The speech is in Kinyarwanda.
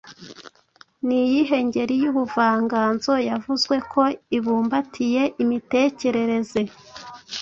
Ni iyihe ngeri y’ubuvanganzo yavuzwe ko ibumbatiye imitekerereze